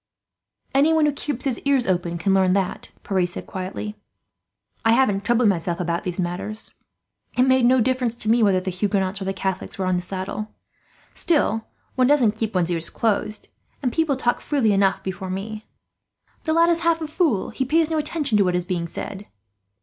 "Anyone who keeps his ears open can learn that," Pierre said quietly. "I haven't troubled myself about these matters. It made no difference to me whether the Huguenots or the Catholics were in the saddle; still, one doesn't keep one's ears closed, and people talk freely enough before me. "'Pierre does not concern himself with these things. The lad is half a fool; he pays no attention to what is being said.'